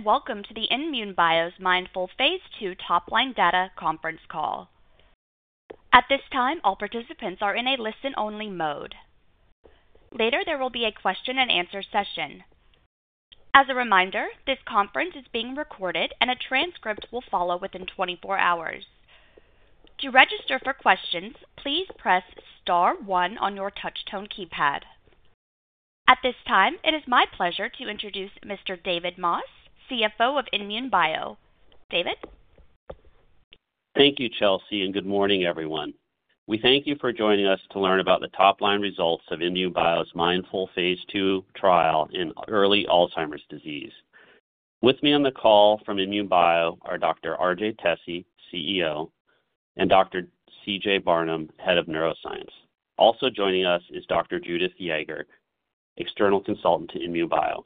Greetings and welcome to the INmune Bio's MINDFuL phase II top-line data conference call. At this time, all participants are in a listen-only mode. Later, there will be a question-and-answer session. As a reminder, this conference is being recorded and a transcript will follow within 24 hours. To register for questions, please press star one on your touch-tone keypad. At this time, it is my pleasure to introduce Mr. David Moss, CFO of INmune Bio. David? Thank you, Chelsea, and good morning, everyone. We thank you for joining us to learn about the top-line results of INmune Bio's MINDFuL phase II trial in early Alzheimer's disease. With me on the call from INmune Bio are Dr. RJ Tesi, CEO, and Dr. CJ Barnum, Head of Neuroscience. Also joining us is Dr. Judith Jaeger, external consultant to INmune Bio.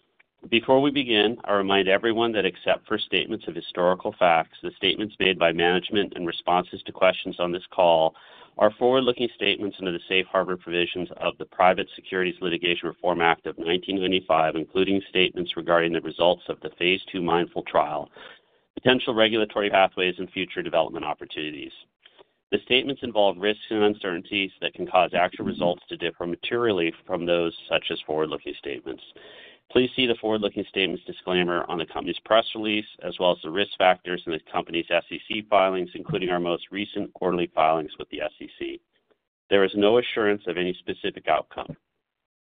Before we begin, I remind everyone that except for statements of historical facts, the statements made by management and responses to questions on this call are forward-looking statements under the safe harbor provisions of the Private Securities Litigation Reform Act of 1995, including statements regarding the results of the phase II MINDFuL trial, potential regulatory pathways, and future development opportunities. The statements involve risks and uncertainties that can cause actual results to differ materially from those such as forward-looking statements. Please see the forward-looking statements disclaimer on the company's press release, as well as the risk factors in the company's SEC filings, including our most recent quarterly filings with the SEC. There is no assurance of any specific outcome.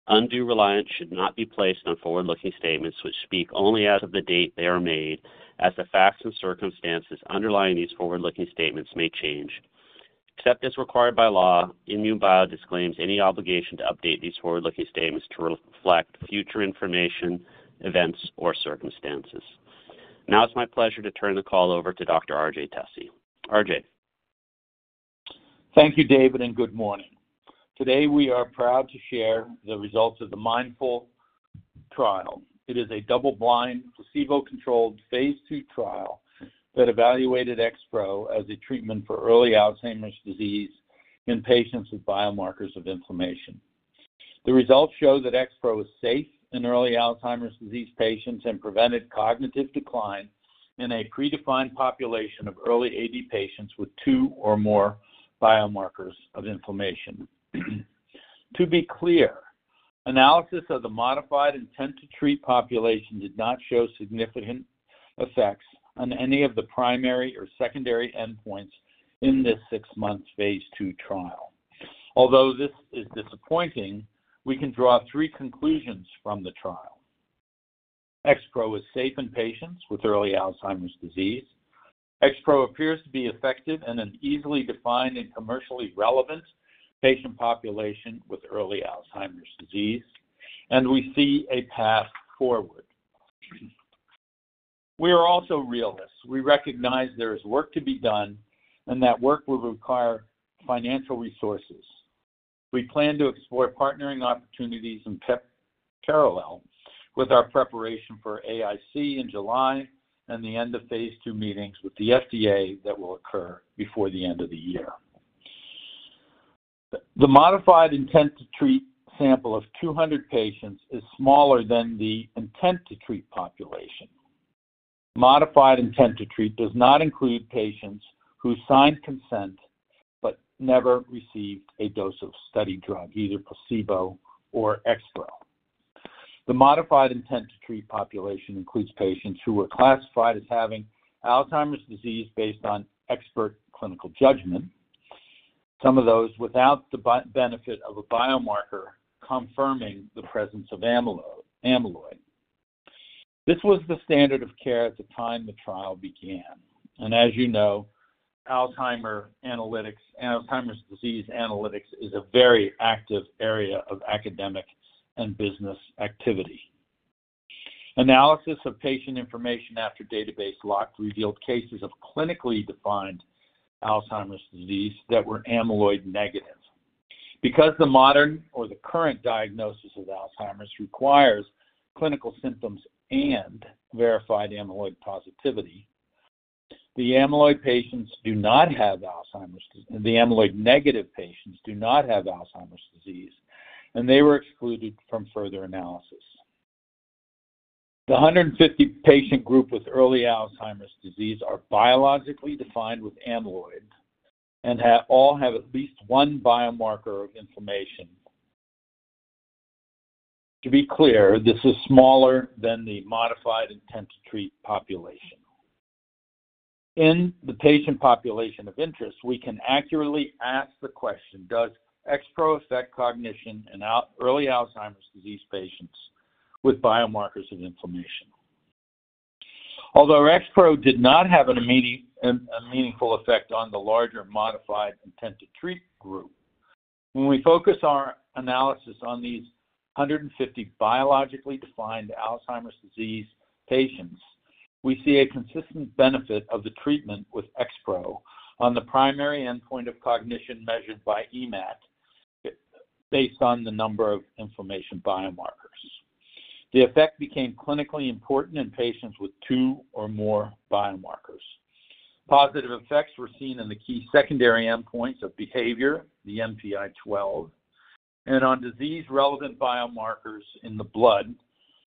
Undue reliance should not be placed on forward-looking statements, which speak only as of the date they are made, as the facts and circumstances underlying these forward-looking statements may change. Except as required by law, INmune Bio disclaims any obligation to update these forward-looking statements to reflect future information, events, or circumstances. Now, it's my pleasure to turn the call over to Dr. RJ Tesi. RJ. Thank you, David, and good morning. Today, we are proud to share the results of the MINDFuL trial. It is a double-blind, placebo-controlled phase II trial that evaluated XPro as a treatment for early Alzheimer's disease in patients with biomarkers of inflammation. The results show that XPro was safe in early Alzheimer's disease patients and prevented cognitive decline in a predefined population of early AD patients with two or more biomarkers of inflammation. To be clear, analysis of the modified intent-to-treat population did not show significant effects on any of the primary or secondary endpoints in this six-month phase II trial. Although this is disappointing, we can draw three conclusions from the trial. XPro was safe in patients with early Alzheimer's disease. XPro appears to be effective in an easily defined and commercially relevant patient population with early Alzheimer's disease, and we see a path forward. We are also realists. We recognize there is work to be done and that work will require financial resources. We plan to explore partnering opportunities in parallel with our preparation for AAIC in July and the end of phase II meetings with the FDA that will occur before the end of the year. The modified intent to treat sample of 200 patients is smaller than the intent to treat population. Modified intent to treat does not include patients who signed consent but never received a dose of study drug, either placebo or XPro. The modified intent to treat population includes patients who were classified as having Alzheimer's disease based on expert clinical judgment, some of those without the benefit of a biomarker confirming the presence of amyloid. This was the standard of care at the time the trial began. As you know, Alzheimer's disease analytics is a very active area of academic and business activity. Analysis of patient information after database lock revealed cases of clinically defined Alzheimer's disease that were amyloid negative. Because the modern or the current diagnosis of Alzheimer's requires clinical symptoms and verified amyloid positivity, the amyloid negative patients do not have Alzheimer's disease, and they were excluded from further analysis. The 150 patient group with early Alzheimer's disease are biologically defined with amyloid and all have at least one biomarker of inflammation. To be clear, this is smaller than the modified intent to treat population. In the patient population of interest, we can accurately ask the question, "Does XPro affect cognition in early Alzheimer's disease patients with biomarkers of inflammation?" Although XPro did not have a meaningful effect on the larger modified intent to treat group, when we focus our analysis on these 150 biologically defined Alzheimer's disease patients, we see a consistent benefit of the treatment with XPro on the primary endpoint of cognition measured by EMACC based on the number of inflammation biomarkers. The effect became clinically important in patients with two or more biomarkers. Positive effects were seen in the key secondary endpoints of behavior, the NPI-12, and on disease-relevant biomarkers in the blood,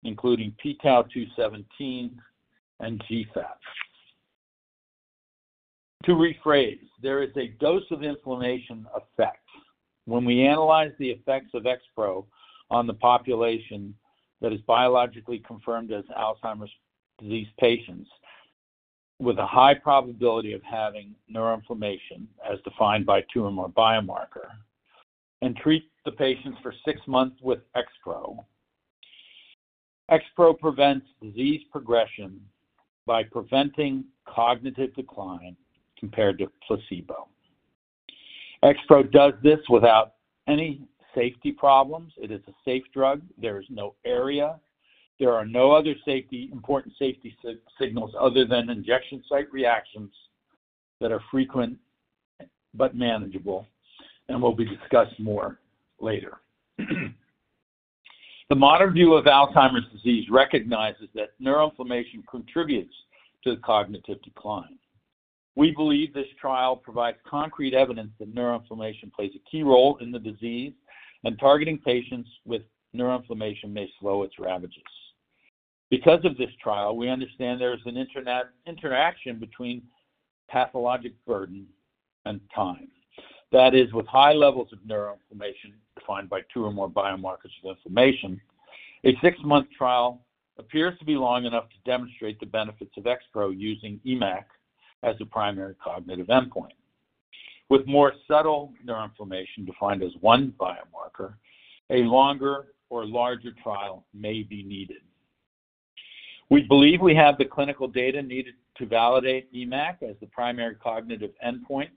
including pTau217 and GFAP. To rephrase, there is a dose of inflammation effect when we analyze the effects of XPro on the population that is biologically confirmed as Alzheimer's disease patients with a high probability of having neuroinflammation as defined by two or more biomarkers and treat the patients for six months with XPro. XPro prevents disease progression by preventing cognitive decline compared to placebo. XPro does this without any safety problems. It is a safe drug. There is no ARIA. There are no other important safety signals other than injection site reactions that are frequent but manageable and will be discussed more later. The modern view of Alzheimer's disease recognizes that neuroinflammation contributes to cognitive decline. We believe this trial provides concrete evidence that neuroinflammation plays a key role in the disease, and targeting patients with neuroinflammation may slow its ravages. Because of this trial, we understand there is an interaction between pathologic burden and time. That is, with high levels of neuroinflammation defined by two or more biomarkers of inflammation, a six-month trial appears to be long enough to demonstrate the benefits of XPro using EMACC as a primary cognitive endpoint. With more subtle neuroinflammation defined as one biomarker, a longer or larger trial may be needed. We believe we have the clinical data needed to validate EMACC as the primary cognitive endpoint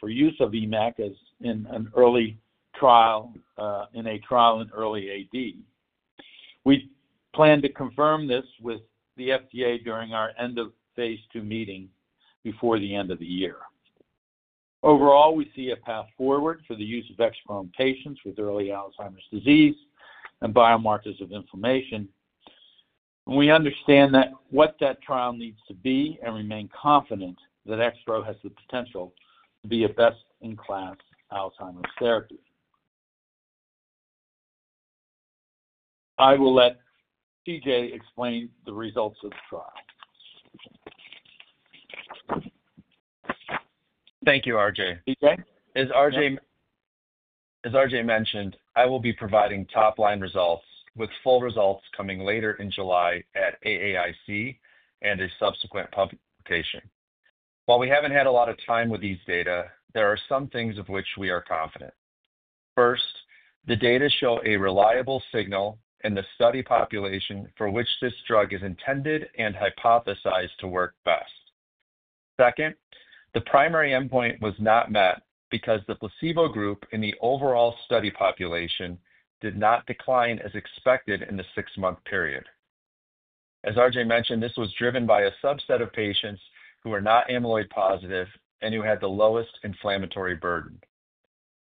for use of EMACC in a trial in early AD. We plan to confirm this with the FDA during our end of phase two meeting before the end of the year. Overall, we see a path forward for the use of XPro in patients with early Alzheimer's disease and biomarkers of inflammation. We understand what that trial needs to be and remain confident that XPro has the potential to be a best-in-class Alzheimer's therapy. I will let CJ explain the results of the trial. Thank you, RJ. CJ? As RJ mentioned, I will be providing top-line results with full results coming later in July at AAIC and a subsequent publication. While we haven't had a lot of time with these data, there are some things of which we are confident. First, the data show a reliable signal in the study population for which this drug is intended and hypothesized to work best. Second, the primary endpoint was not met because the placebo group in the overall study population did not decline as expected in the six-month period. As RJ mentioned, this was driven by a subset of patients who were not amyloid positive and who had the lowest inflammatory burden.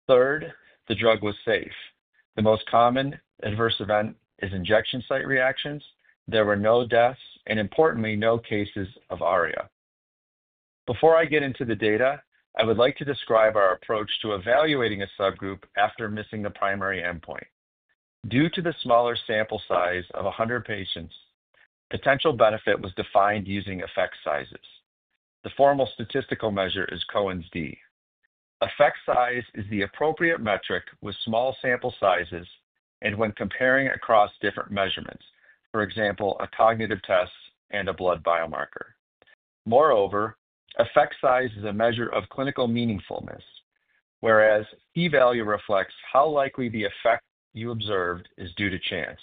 Third, the drug was safe. The most common adverse event is injection site reactions. There were no deaths and, importantly, no cases of ARIA. Before I get into the data, I would like to describe our approach to evaluating a subgroup after missing the primary endpoint. Due to the smaller sample size of 100 patients, the potential benefit was defined using effect sizes. The formal statistical measure is Cohen's d. Effect size is the appropriate metric with small sample sizes and when comparing across different measurements, for example, a cognitive test and a blood biomarker. Moreover, effect size is a measure of clinical meaningfulness, whereas P-value reflects how likely the effect you observed is due to chance.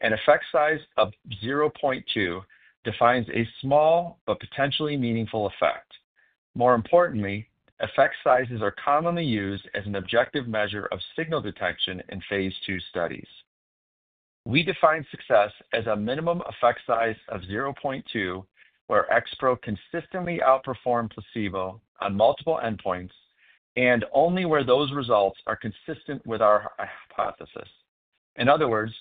An effect size of 0.2 defines a small but potentially meaningful effect. More importantly, effect sizes are commonly used as an objective measure of signal detection in phase II studies. We define success as a minimum effect size of 0.2 where XPro consistently outperformed placebo on multiple endpoints and only where those results are consistent with our hypothesis. In other words,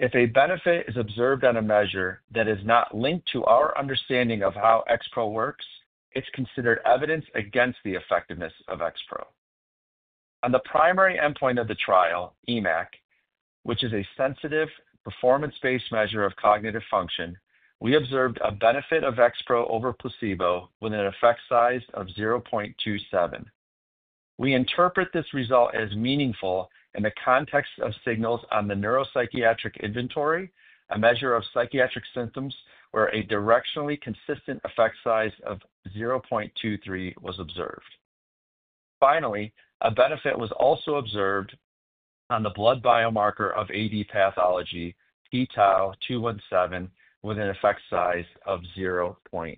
if a benefit is observed on a measure that is not linked to our understanding of how XPro works, it's considered evidence against the effectiveness of XPro. On the primary endpoint of the trial, EMACC, which is a sensitive performance-based measure of cognitive function, we observed a benefit of XPro over placebo with an effect size of 0.27. We interpret this result as meaningful in the context of signals on the Neuropsychiatric Inventory, a measure of psychiatric symptoms where a directionally consistent effect size of 0.23 was observed. Finally, a benefit was also observed on the blood biomarker of AD pathology, pTau217, with an effect size of 0.2.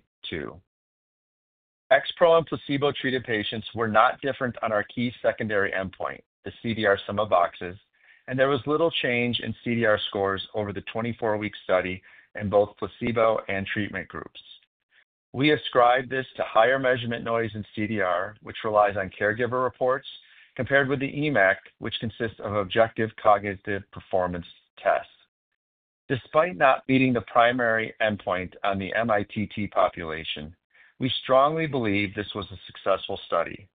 XPro and placebo-treated patients were not different on our key secondary endpoint, the CDR Sum of Boxes, and there was little change in CDR scores over the 24-week study in both placebo and treatment groups. We ascribe this to higher measurement noise in CDR, which relies on caregiver reports, compared with the EMACC, which consists of objective cognitive performance tests. Despite not meeting the primary endpoint on the mITT population, we strongly believe this was a successful study.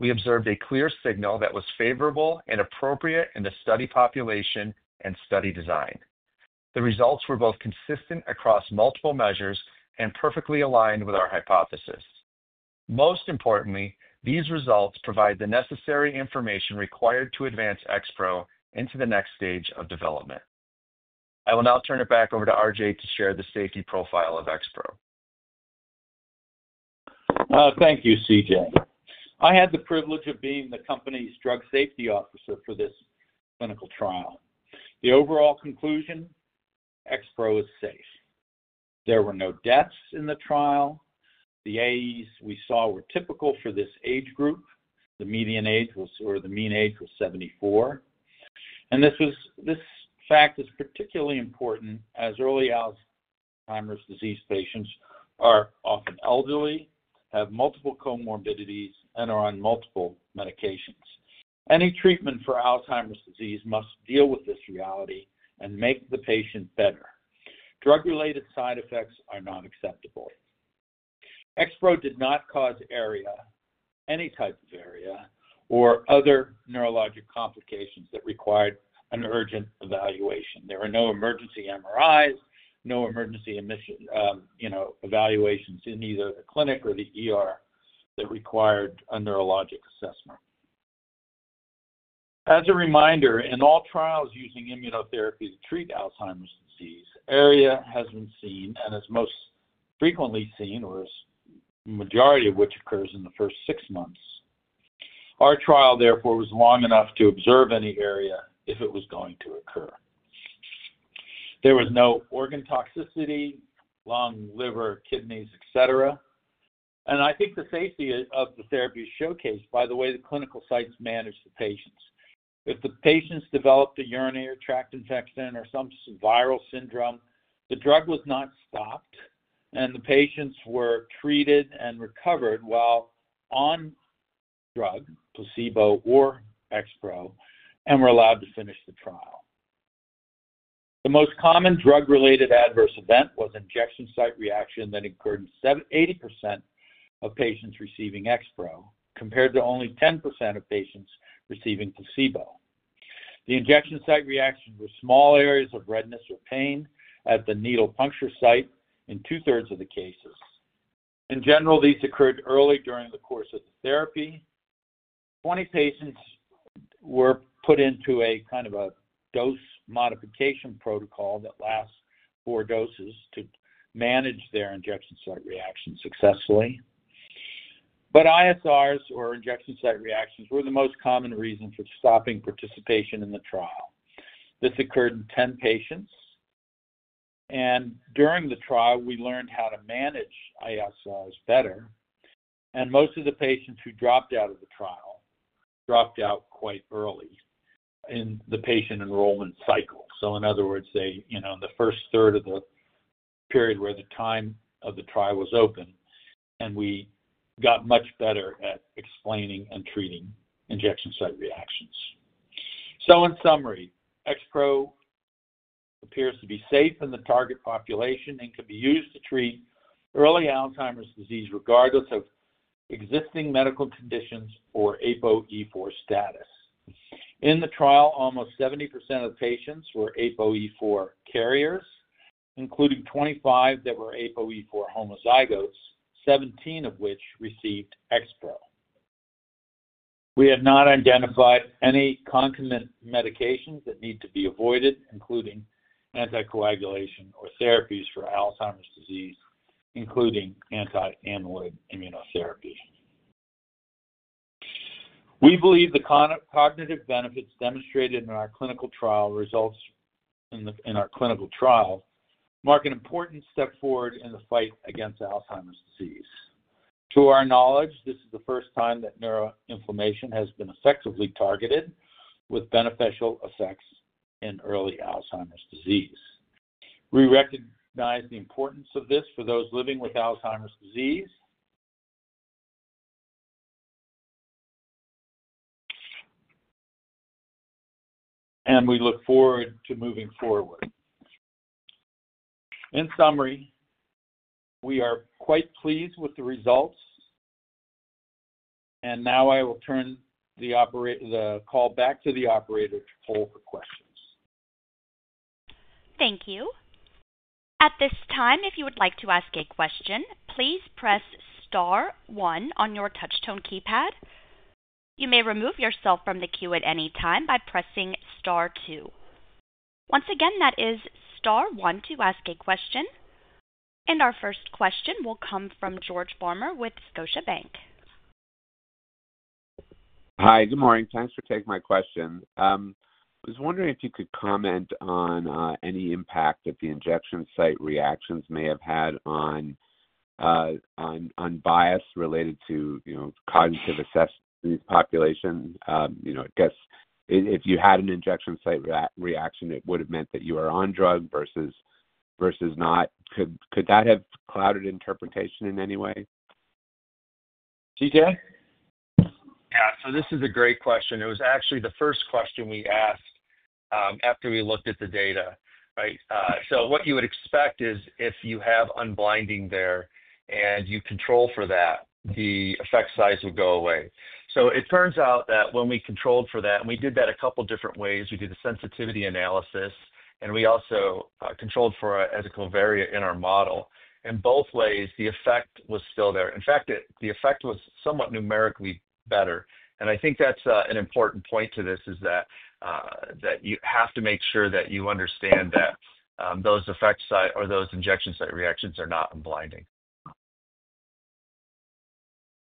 We observed a clear signal that was favorable and appropriate in the study population and study design. The results were both consistent across multiple measures and perfectly aligned with our hypothesis. Most importantly, these results provide the necessary information required to advance XPro into the next stage of development. I will now turn it back over to RJ to share the safety profile of XPro. Thank you, CJ. I had the privilege of being the company's drug safety officer for this clinical trial. The overall conclusion: XPro is safe. There were no deaths in the trial. The AEs we saw were typical for this age group. The median age or the mean age was 74. This fact is particularly important as early Alzheimer's disease patients are often elderly, have multiple comorbidities, and are on multiple medications. Any treatment for Alzheimer's disease must deal with this reality and make the patient better. Drug-related side effects are not acceptable. XPro did not cause any type of ARIA or other neurologic complications that required an urgent evaluation. There were no emergency MRIs, no emergency evaluations in either the clinic or that required a neurologic assessment. As a reminder, in all trials using immunotherapy to treat Alzheimer's disease, ARIA has been seen and is most frequently seen, or the majority of which occurs in the first six months. Our trial, therefore, was long enough to observe any ARIA if it was going to occur. There was no organ toxicity, lung, liver, kidneys, etc. I think the safety of the therapy is showcased by the way the clinical sites manage the patients. If the patients developed a urinary tract infection or some viral syndrome, the drug was not stopped, and the patients were treated and recovered while on drug, placebo, or XPro, and were allowed to finish the trial. The most common drug-related adverse event was injection site reaction that occurred in 80% of patients receiving XPro compared to only 10% of patients receiving placebo. The injection site reaction was small areas of redness or pain at the needle puncture site in 2/3 of the cases. In general, these occurred early during the course of the therapy. Twenty patients were put into a kind of a dose modification protocol that lasts four doses to manage their injection site reaction successfully. ISRs or injection site reactions were the most common reason for stopping participation in the trial. This occurred in 10 patients. During the trial, we learned how to manage ISRs better. Most of the patients who dropped out of the trial dropped out quite early in the patient enrollment cycle. In other words, in the first third of the period where the time of the trial was open, we got much better at explaining and treating injection site reactions. In summary, XPro appears to be safe in the target population and can be used to treat early Alzheimer's disease regardless of existing medical conditions or APOE4 status. In the trial, almost 70% of patients were APOE4 carriers, including 25 that were APOE4 homozygotes, 17 of which received XPro. We have not identified any concomitant medications that need to be avoided, including anticoagulation or therapies for Alzheimer's disease, including anti-amyloid immunotherapy. We believe the cognitive benefits demonstrated in our clinical trial results in our clinical trial mark an important step forward in the fight against Alzheimer's disease. To our knowledge, this is the first time that neuroinflammation has been effectively targeted with beneficial effects in early Alzheimer's disease. We recognize the importance of this for those living with Alzheimer's disease, and we look forward to moving forward. In summary, we are quite pleased with the results. I will turn the call back to the operator to poll for questions. Thank you. At this time, if you would like to ask a question, please press star one on your touch-tone keypad. You may remove yourself from the queue at any time by pressing star two. Once again, that is star one to ask a question. Our first question will come from George Farmer with Scotiabank. Hi, good morning. Thanks for taking my question. I was wondering if you could comment on any impact that the injection site reactions may have had on bias related to cognitive assessment in this population. I guess if you had an injection site reaction, it would have meant that you are on drug versus not. Could that have clouded interpretation in any way? CJ? Yeah. This is a great question. It was actually the first question we asked after we looked at the data, right? What you would expect is if you have unblinding there and you control for that, the effect size would go away. It turns out that when we controlled for that, and we did that a couple of different ways. We did a sensitivity analysis, and we also controlled for an ethical variant in our model. In both ways, the effect was still there. In fact, the effect was somewhat numerically better. I think that's an important point to this is that you have to make sure that you understand that those effect sizes or those injection site reactions are not unblinding.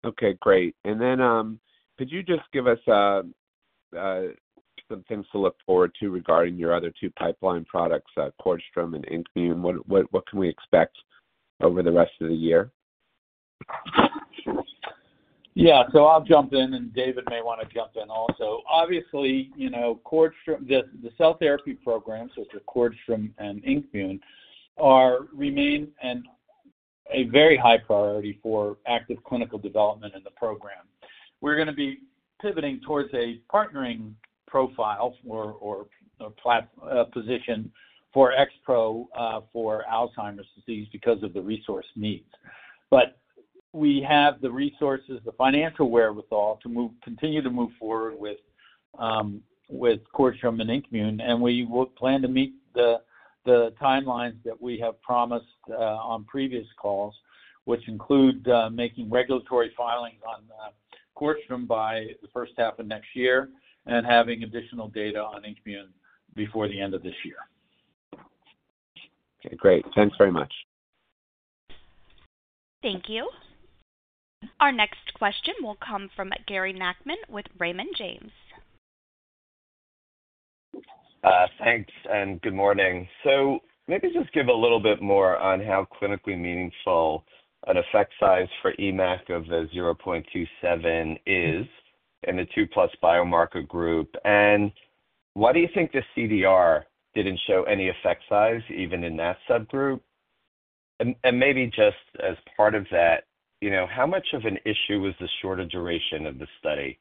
Okay. Great. Could you just give us some things to look forward to regarding your other two pipeline products, CORDStrom and INKmune? What can we expect over the rest of the year? Yeah. I'll jump in, and David may want to jump in also. Obviously, the cell therapy programs, which are CORDStrom and INKmune, remain a very high priority for active clinical development in the program. We're going to be pivoting towards a partnering profile or position for XPro for Alzheimer's disease because of the resource needs. We have the resources, the financial wherewithal to continue to move forward with CORDStrom and INKmune. We will plan to meet the timelines that we have promised on previous calls, which include making regulatory filings on CORDStrom by the first half of next year and having additional data on INKmune before the end of this year. Okay. Great. Thanks very much. Thank you. Our next question will come from Gary Nachman with Raymond James. Thanks, and good morning. Maybe just give a little bit more on how clinically meaningful an effect size for EMACC of 0.27 is in the 2+ biomarker group. Why do you think the CDR didn't show any effect size even in that subgroup? Maybe just as part of that, how much of an issue was the shorter duration of the study,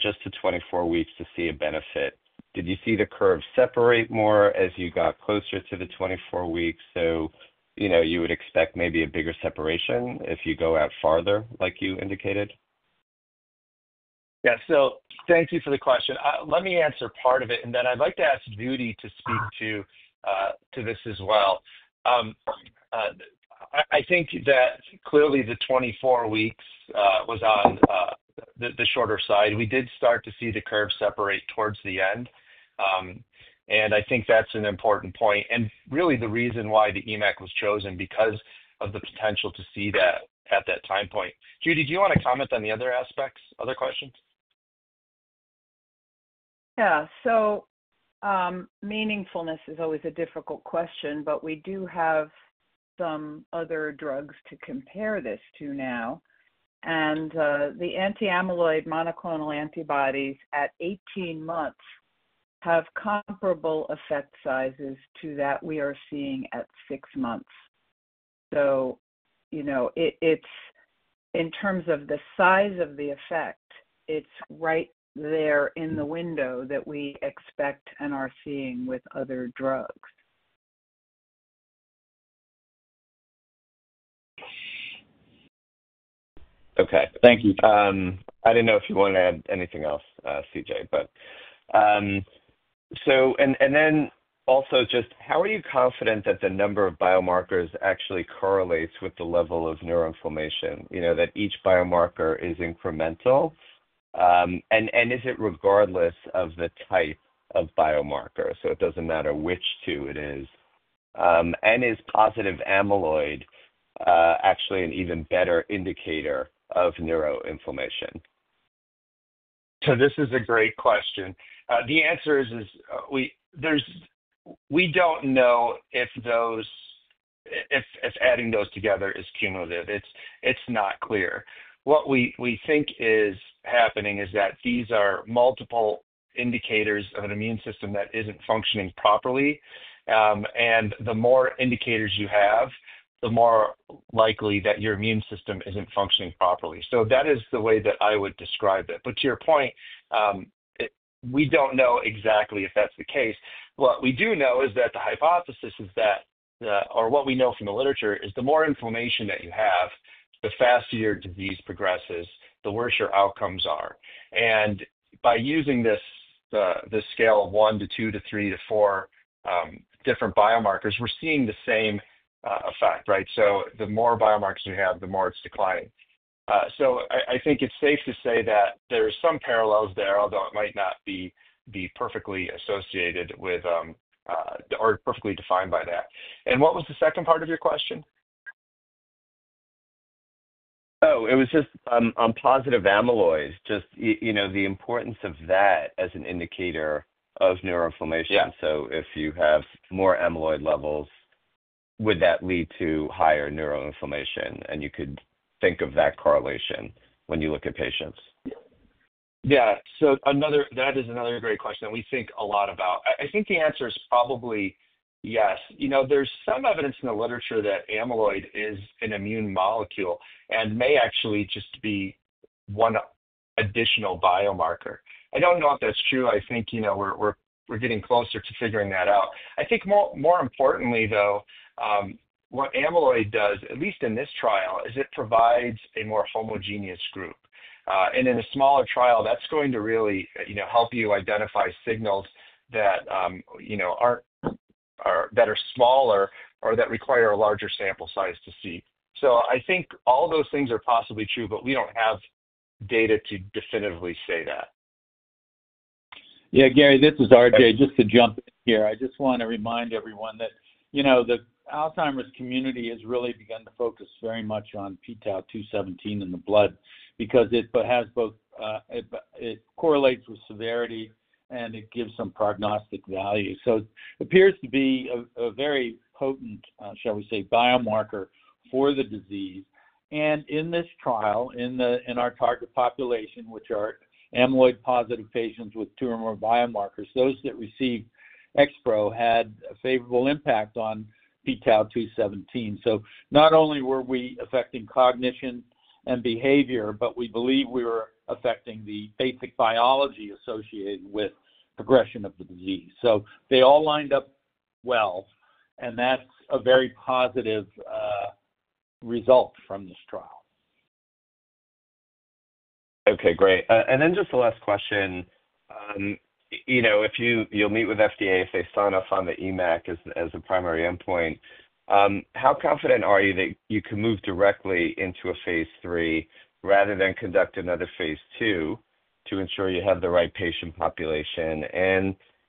just the 24 weeks to see a benefit? Did you see the curve separate more as you got closer to the 24 weeks? You would expect maybe a bigger separation if you go out farther, like you indicated? Yeah. Thank you for the question. Let me answer part of it, and then I'd like to ask Judy to speak to this as well. I think that clearly the 24 weeks was on the shorter side. We did start to see the curve separate towards the end. I think that's an important point. Really, the reason why the EMACC was chosen was because of the potential to see that at that time point. Judy, do you want to comment on the other aspects? Other questions? Yeah. Meaningfulness is always a difficult question, but we do have some other drugs to compare this to now. The anti-amyloid monoclonal antibodies at 18 months have comparable effect sizes to that we are seeing at six months. In terms of the size of the effect, it's right there in the window that we expect and are seeing with other drugs. Okay. Thank you. I didn't know if you wanted to add anything else, CJ, but. Also, just how are you confident that the number of biomarkers actually correlates with the level of neuroinflammation, that each biomarker is incremental? Is it regardless of the type of biomarker? It doesn't matter which two it is? Is positive amyloid actually an even better indicator of neuroinflammation? This is a great question. The answer is we don't know if adding those together is cumulative. It's not clear. What we think is happening is that these are multiple indicators of an immune system that isn't functioning properly. The more indicators you have, the more likely that your immune system isn't functioning properly. That is the way that I would describe it. To your point, we don't know exactly if that's the case. What we do know is that the hypothesis is that, or what we know from the literature, is the more inflammation that you have, the faster your disease progresses, the worse your outcomes are. By using this scale of one to two to three to four different biomarkers, we're seeing the same effect, right? The more biomarkers you have, the more it's declining. I think it's safe to say that there are some parallels there, although it might not be perfectly associated with or perfectly defined by that. What was the second part of your question? Oh, it was just on positive amyloid, just the importance of that as an indicator of neuroinflammation. If you have more amyloid levels, would that lead to higher neuroinflammation? You could think of that correlation when you look at patients. Yeah. That is another great question that we think a lot about. I think the answer is probably yes. There's some evidence in the literature that amyloid is an immune molecule and may actually just be one additional biomarker. I don't know if that's true. I think we're getting closer to figuring that out. I think more importantly, though, what amyloid does, at least in this trial, is it provides a more homogeneous group. In a smaller trial, that's going to really help you identify signals that are smaller or that require a larger sample size to see. I think all those things are possibly true, but we don't have data to definitively say that. Yeah. Gary, this is RJ, just to jump in here. I just want to remind everyone that the Alzheimer's community has really begun to focus very much on pTau217 in the blood because it has both it correlates with severity, and it gives some prognostic value. It appears to be a very potent, shall we say, biomarker for the disease. In this trial, in our target population, which are amyloid-positive patients with two or more biomarkers, those that received XPro had a favorable impact on pTau217. Not only were we affecting cognition and behavior, but we believe we were affecting the basic biology associated with progression of the disease. They all lined up well, and that's a very positive result from this trial. Okay. Great. Just the last question. If you'll meet with FDA, if they sign off on the EMACC as a primary endpoint, how confident are you that you can move directly into a phase III rather than conduct another phase II to ensure you have the right patient population?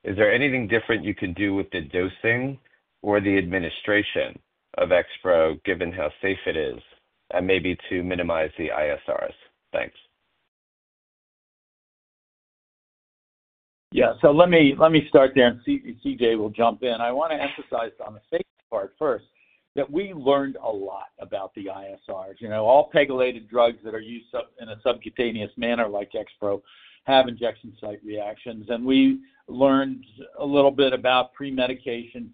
Is there anything different you can do with the dosing or the administration of XPro, given how safe it is, and maybe to minimize the ISRs? Thanks. Yeah. Let me start there, and CJ will jump in. I want to emphasize on the safety part first that we learned a lot about the ISRs. All pegylated drugs that are used in a subcutaneous manner like XPro have injection site reactions. We learned a little bit about pre-medication,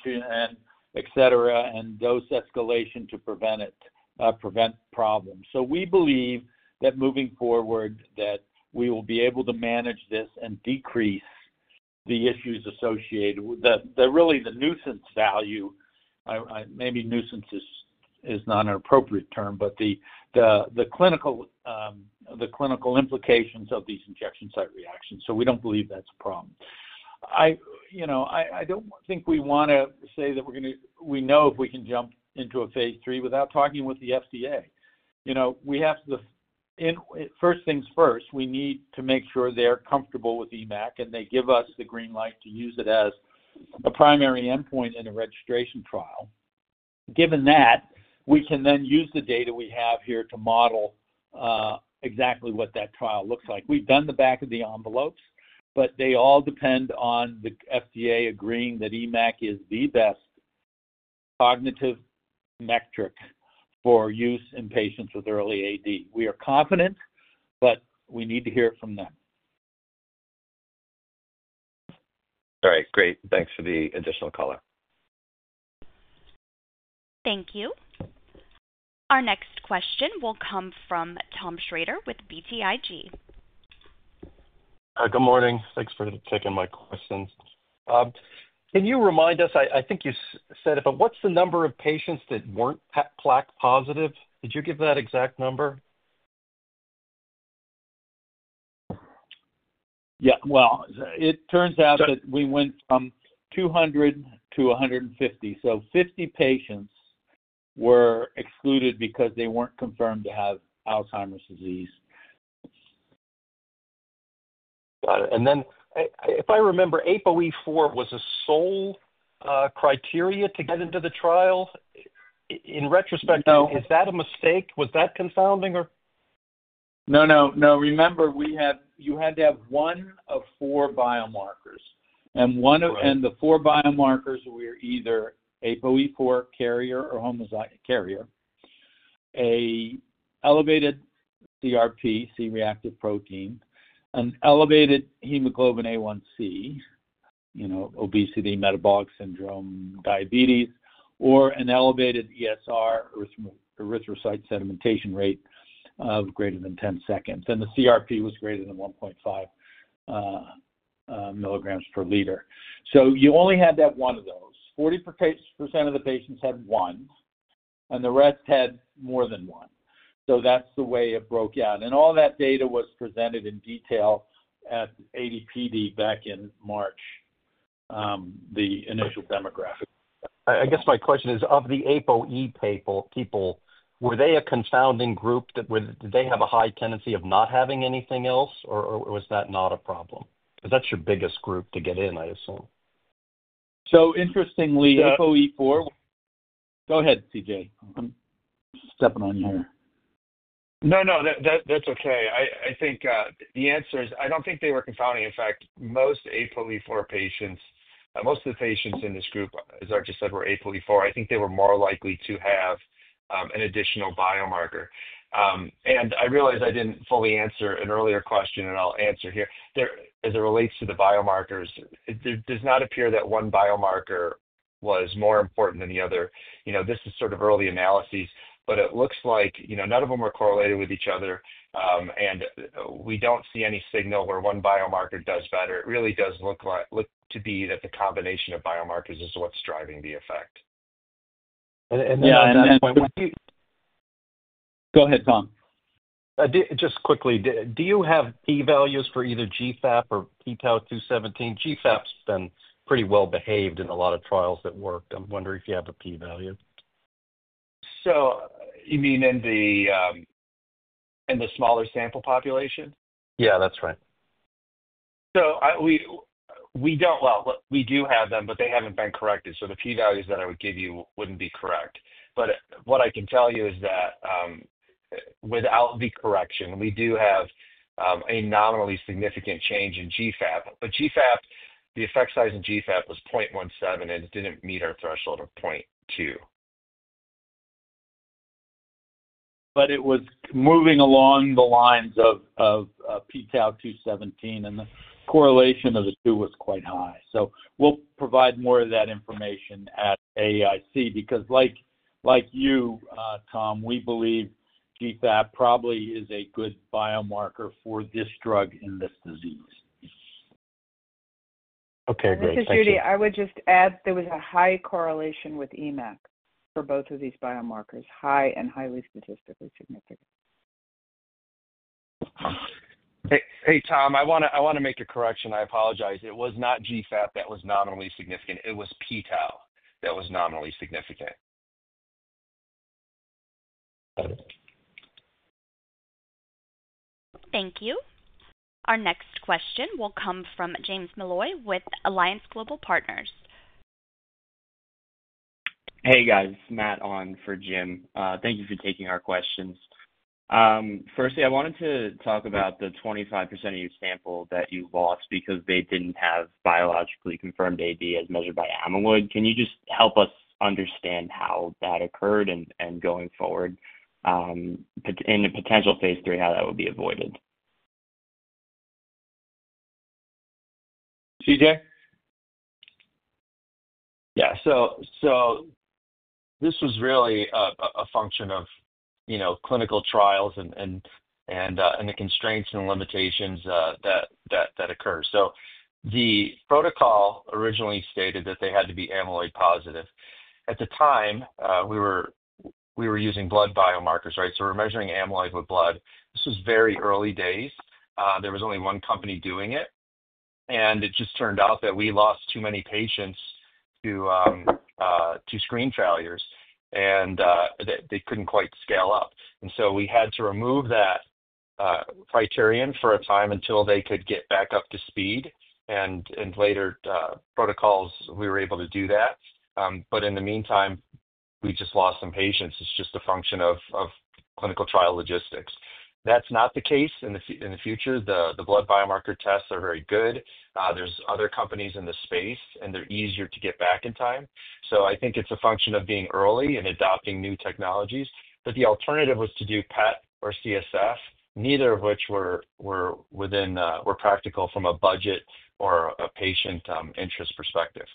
etc., and dose escalation to prevent problems. We believe that moving forward, we will be able to manage this and decrease the issues associated with really the nuisance value. Maybe nuisance is not an appropriate term, but the clinical implications of these injection site reactions. We do not believe that is a problem. I do not think we want to say that we know if we can jump into a phase III without talking with the FDA. First things first, we need to make sure they're comfortable with EMACC, and they give us the green light to use it as a primary endpoint in a registration trial. Given that, we can then use the data we have here to model exactly what that trial looks like. We've done the back of the envelopes, but they all depend on the FDA agreeing that EMACC is the best cognitive metric for use in patients with early AD. We are confident, but we need to hear it from them. All right. Great. Thanks for the additional color. Thank you. Our next question will come from Tom Shrader with BTIG. Good morning. Thanks for taking my questions. Can you remind us? I think you said it, but what's the number of patients that weren't plaque positive? Did you give that exact number? Yeah. It turns out that we went from 200-150. So 50 patients were excluded because they were not confirmed to have Alzheimer's disease. Got it. If I remember, APOE4 was a sole criteria to get into the trial. In retrospect, is that a mistake? Was that confounding or? No, no, no. Remember, you had to have one of four biomarkers. The four biomarkers were either APOE4 carrier or homozygous carrier, an elevated CRP, C-reactive protein, an elevated hemoglobin A1c, obesity, metabolic syndrome, diabetes, or an elevated ESR, erythrocyte sedimentation rate of greater than 10 seconds. The CRP was greater than 1.5 mg per liter. You only had to have one of those. 40% of the patients had one, and the rest had more than one. That is the way it broke out. All that data was presented in detail at AD/PD back in March, the initial demographic. I guess my question is, of the APOE people, were they a confounding group? Did they have a high tendency of not having anything else, or was that not a problem? Because that's your biggest group to get in, I assume. Interestingly, APOE4. Go ahead, CJ. I'm stepping on you here. No, no. That's okay. I think the answer is I don't think they were confounding. In fact, most APOE4 patients, most of the patients in this group, as RJ said, were APOE4. I think they were more likely to have an additional biomarker. And I realize I didn't fully answer an earlier question, and I'll answer here. As it relates to the biomarkers, it does not appear that one biomarker was more important than the other. This is sort of early analyses, but it looks like none of them were correlated with each other, and we don't see any signal where one biomarker does better. It really does look to be that the combination of biomarkers is what's driving the effect. And then. Yeah. At this point. Go ahead, Tom. Just quickly, do you have P-values for either GFAP or pTau217? GFAP's been pretty well-behaved in a lot of trials that worked. I'm wondering if you have a P-value. You mean in the smaller sample population? Yeah, that's right. We do have them, but they haven't been corrected. The P-values that I would give you wouldn't be correct. What I can tell you is that without the correction, we do have a nominally significant change in GFAP. The effect size in GFAP was 0.17, and it didn't meet our threshold of 0.2. It was moving along the lines of pTau217, and the correlation of the two was quite high. We will provide more of that information at AAIC because, like you, Tom, we believe GFAP probably is a good biomarker for this drug in this disease. Okay. Great. Thank you. This is Judy. I would just add there was a high correlation with EMACC for both of these biomarkers, high and highly statistically significant. Hey, Tom, I want to make a correction. I apologize. It was not GFAP that was nominally significant. It was pTau that was nominally significant. Got it. Thank you. Our next question will come from James Molloy with Alliance Global Partners. Hey, guys. Matt on for Jim. Thank you for taking our questions. Firstly, I wanted to talk about the 25% of your sample that you lost because they didn't have biologically confirmed AD as measured by amyloid. Can you just help us understand how that occurred and going forward, in a potential phase III, how that would be avoided? CJ? Yeah. This was really a function of clinical trials and the constraints and limitations that occur. The protocol originally stated that they had to be amyloid positive. At the time, we were using blood biomarkers, right? We were measuring amyloid with blood. This was very early days. There was only one company doing it. It just turned out that we lost too many patients to screen failures, and they could not quite scale up. We had to remove that criterion for a time until they could get back up to speed. In later protocols, we were able to do that. In the meantime, we just lost some patients. It is just a function of clinical trial logistics. That is not the case in the future. The blood biomarker tests are very good. There are other companies in the space, and they are easier to get back in time. I think it's a function of being early and adopting new technologies. The alternative was to do PET or CSF, neither of which were practical from a budget or a patient interest perspective.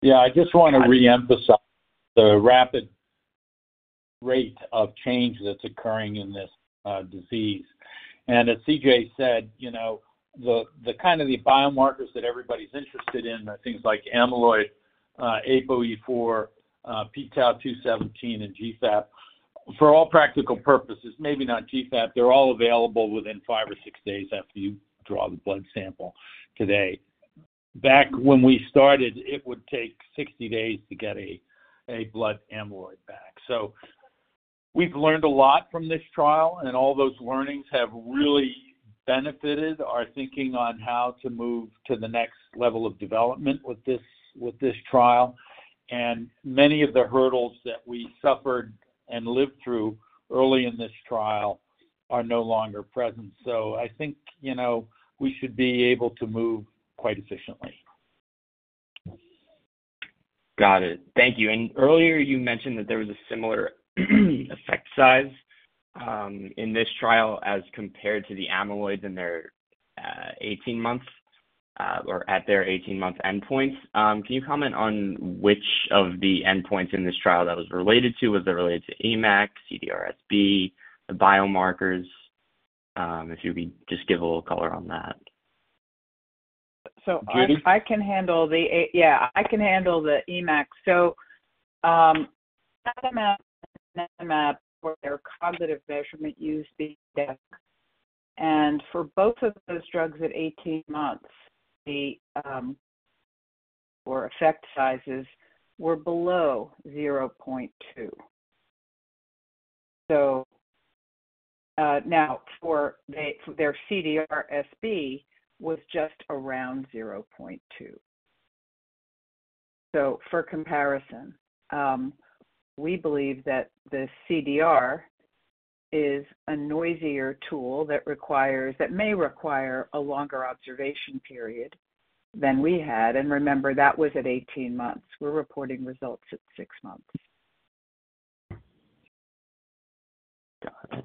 Yeah. I just want to re-emphasize the rapid rate of change that's occurring in this disease. And as CJ said, the kind of biomarkers that everybody's interested in, things like amyloid, APOE4, pTau217, and GFAP, for all practical purposes, maybe not GFAP, they're all available within five or six days after you draw the blood sample today. Back when we started, it would take 60 days to get a blood amyloid back. So we've learned a lot from this trial, and all those learnings have really benefited our thinking on how to move to the next level of development with this trial. And many of the hurdles that we suffered and lived through early in this trial are no longer present. So I think we should be able to move quite efficiently. Got it. Thank you. Earlier, you mentioned that there was a similar effect size in this trial as compared to the amyloid in their 18 months or at their 18-month endpoints. Can you comment on which of the endpoints in this trial that was related to? Was it related to EMACC, CDR-SB, the biomarkers? If you could just give a little color on that. I can handle the—yeah, I can handle the EMACC. Donanemab and Lecanemab, their cognitive measurement used CDR, and for both of those drugs at 18 months, the effect sizes were below 0.2. Now for their CDR-SB, it was just around 0.2. For comparison, we believe that the CDR is a noisier tool that may require a longer observation period than we had. Remember, that was at 18 months. We're reporting results at six months. Got it.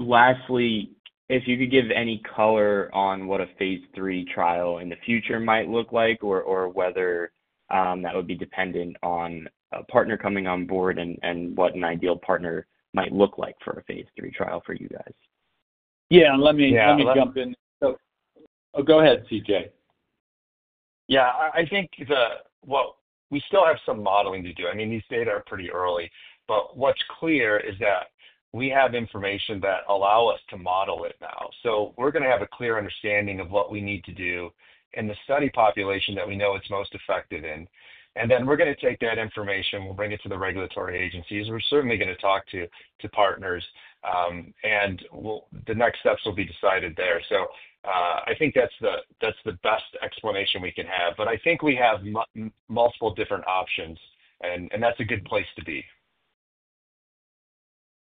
Lastly, if you could give any color on what a phase III trial in the future might look like or whether that would be dependent on a partner coming on board and what an ideal partner might look like for a phase III trial for you guys. Yeah. Let me jump in. Yeah. Oh, go ahead, CJ. Yeah. I think that, I mean, we still have some modeling to do. I mean, these data are pretty early. What's clear is that we have information that allows us to model it now. We are going to have a clear understanding of what we need to do in the study population that we know it's most effective in. Then we are going to take that information. We'll bring it to the regulatory agencies. We are certainly going to talk to partners, and the next steps will be decided there. I think that's the best explanation we can have. I think we have multiple different options, and that's a good place to be.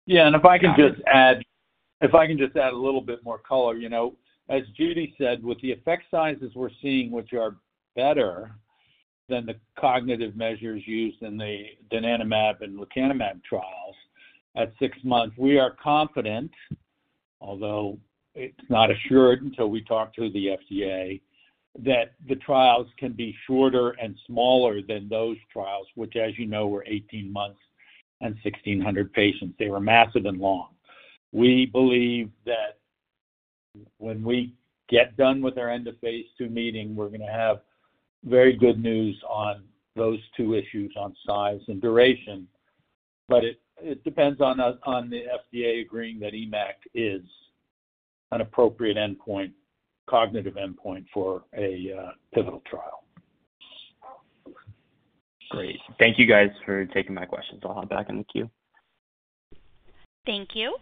Yeah. If I can just add a little bit more color. As Judy said, with the effect sizes we're seeing, which are better than the cognitive measures used in the Donanemab and Lecanemab trials at six months, we are confident, although it's not assured until we talk to the FDA, that the trials can be shorter and smaller than those trials, which, as you know, were 18 months and 1,600 patients. They were massive and long. We believe that when we get done with our end-of-phase II meeting, we're going to have very good news on those two issues on size and duration. It depends on the FDA agreeing that EMACC is an appropriate cognitive endpoint for a pivotal trial. Great. Thank you, guys, for taking my questions. I'll hop back in the queue. Thank you.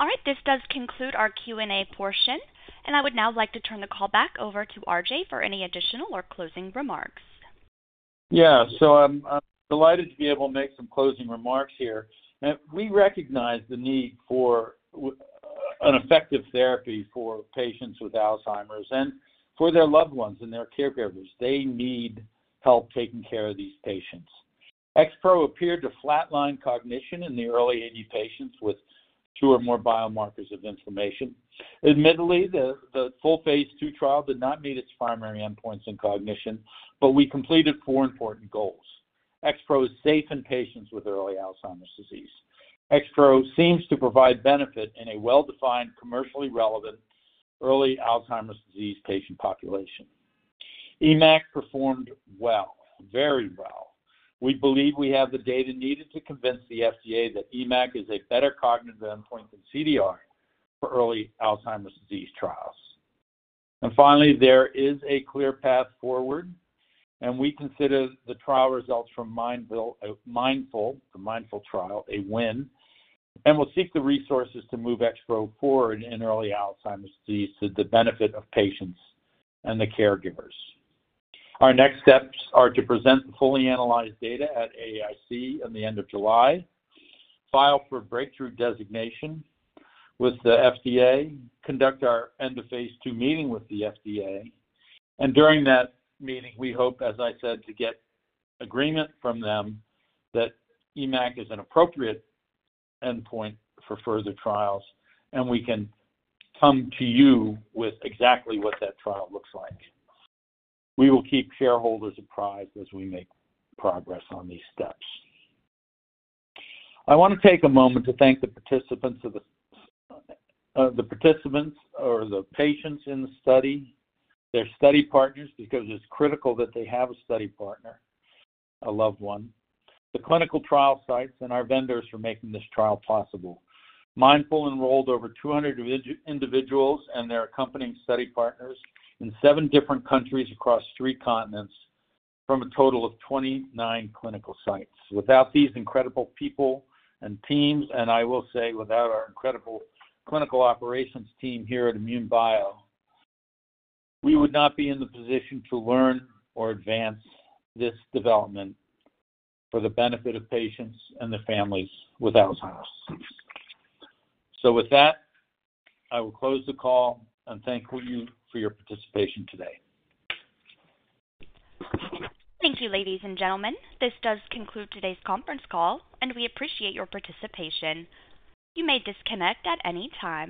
All right. This does conclude our Q&A portion. I would now like to turn the call back over to RJ for any additional or closing remarks. Yeah. I'm delighted to be able to make some closing remarks here. We recognize the need for an effective therapy for patients with Alzheimer's and for their loved ones and their caregivers. They need help taking care of these patients. XPro appeared to flatline cognition in the early Alzheimer's patients with two or more biomarkers of inflammation. Admittedly, the full phase II trial did not meet its primary endpoints in cognition, but we completed four important goals. XPro is safe in patients with early Alzheimer's disease. XPro seems to provide benefit in a well-defined, commercially relevant early Alzheimer's disease patient population. EMACC performed well, very well. We believe we have the data needed to convince the FDA that EMACC is a better cognitive endpoint than CDR for early Alzheimer's disease trials. Finally, there is a clear path forward, and we consider the trial results from MINDFuL, the MINDFuL trial, a win. We will seek the resources to move XPro forward in early Alzheimer's disease to the benefit of patients and the caregivers. Our next steps are to present the fully analyzed data at AAIC at the end of July, file for breakthrough designation with the FDA, conduct our end-of-phase II meeting with the FDA. During that meeting, we hope, as I said, to get agreement from them that EMACC is an appropriate endpoint for further trials, and we can come to you with exactly what that trial looks like. We will keep shareholders apprised as we make progress on these steps. I want to take a moment to thank the participants or the patients in the study, their study partners, because it's critical that they have a study partner, a loved one. The clinical trial sites and our vendors for making this trial possible. MINDFuL enrolled over 200 individuals, and their accompanying study partners in seven different countries across three continents from a total of 29 clinical sites. Without these incredible people and teams, and I will say without our incredible clinical operations team here at INmune Bio, we would not be in the position to learn or advance this development for the benefit of patients and their families with Alzheimer's disease. With that, I will close the call and thank you for your participation today. Thank you, ladies and gentlemen. This does conclude today's conference call, and we appreciate your participation. You may disconnect at any time.